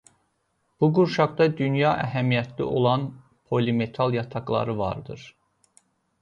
Bu qurşaqda dünya əhəmiyyətli olan polimetal yataqları vardır.